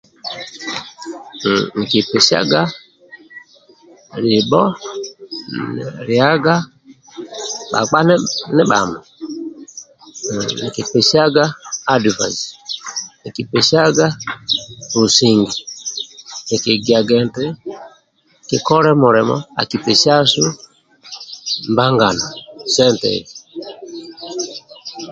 Nkipesiaga libho lyaga bhakpa ndi bhamo nkipesiaga adivaisi nkipesiaga businge Kiki giaga nti kikole mulimo akikipesia sente